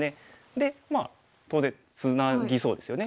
でまあ当然ツナぎそうですよね。